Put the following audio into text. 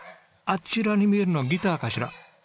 あちらに見えるのはギターかしら？